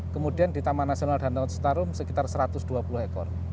kemudian di taman nasional danau sentarum sekitar satu ratus dua puluh ekor